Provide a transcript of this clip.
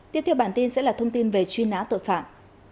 tiếp theo bản tin sẽ là thông tin về truy nã tội phạm